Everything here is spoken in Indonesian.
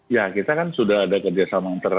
ya kita kan sudah ada kerjasama yang terasola